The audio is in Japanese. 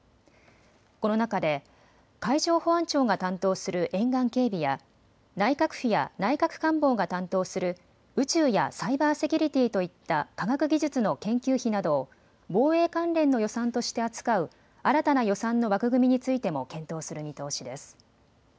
この中で海上保安庁が担当する沿岸警備や内閣府や内閣官房が担当する宇宙やサイバーセキュリティーといった科学技術の研究費などを防衛関連の予算として扱う新たな予算の枠組みについても検討する見通しです。